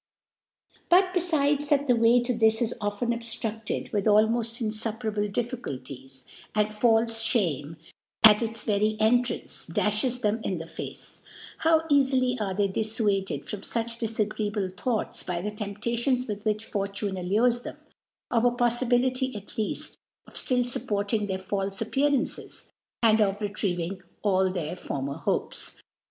But befides ^th^ the Way to this is often obftru^ed with almofl: jii^fupera^le )Dtfficu| Vies^ wd f^ilfeShatne, ^cits very^Entrance, dafhes them in the Face, how easily are they diffuaded from fuch dilagreeahle Thoi^hcs by the Teippcations with which Fortune allures them, of a PoflibiJity, at |eaft, of fiill fuppor<tng their faU^e Appearances, and of retrieving aU tl\eir former Hopes